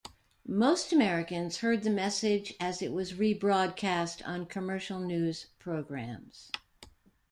Most Americans heard the message as it was rebroadcast on commercial news programs.